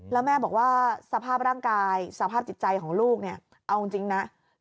แล้วแม่บอกว่าสภาพร่างกายสภาพจิตใจของลูกเนี่ยเอาจริงนะ